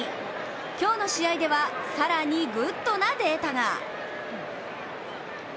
今日の試合では更にグッドなデータが。